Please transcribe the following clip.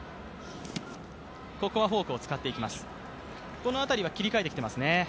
この辺りは切り替えてきていますよね。